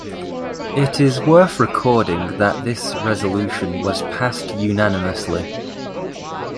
It is worth recording that this resolution was passed unanimously.